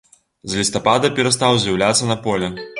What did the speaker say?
З лістапада перастаў з'яўляцца на полі.